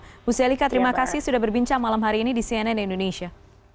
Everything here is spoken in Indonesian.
ibu selika terima kasih sudah berbincang malam hari ini di cnn indonesia